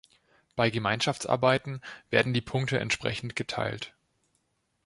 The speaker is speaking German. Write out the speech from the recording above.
Bei Gemeinschaftsarbeiten werden die Punkte entsprechend geteilt.